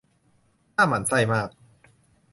น่าหมั่นไส้มาก